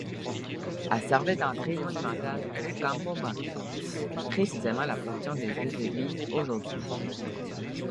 Elles servaient d'entrée monumentale au Campo Marzio, précisément la fonction des deux églises aujourd’hui.